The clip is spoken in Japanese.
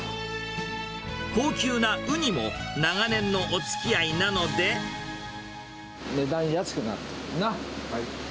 高級なウニも、長年のおつき値段安くなっているだろ。